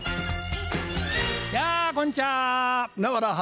やあこんにちは。